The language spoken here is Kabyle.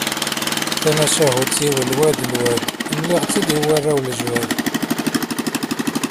Tamacahut-iw lwad lwad mliɣ-tt-id i warraw n lejwad.